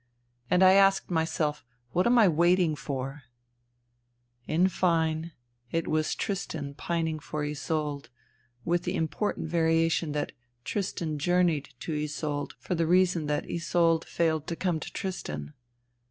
And I asked myself : What am I waiting for ? In fine, it was Tristan pining for Isolde — with the important variation that Tristan journeyed to Isolde for the reason that Isolde failed to come to Tristan.